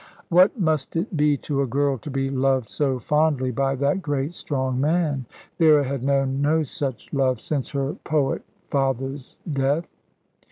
What must it be to a girl to be loved so fondly by that great strong man? Vera had known no such love since her poet father's death.